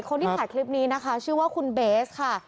คนที่ถ่ายคลิปนี้นะคะชื่อว่าคุณเบสค่ะ